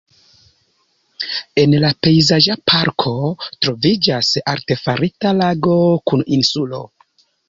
En la pejzaĝa parko troviĝas artefarita lago kun insulo.